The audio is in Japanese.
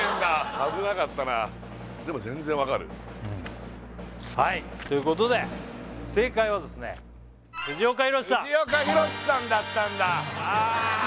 危なかったなでも全然分かるはいということで正解はですね藤岡弘、さん藤岡弘、さんだったんだあ